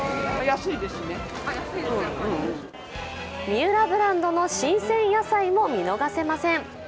三浦ブランドの新鮮野菜も見逃せません。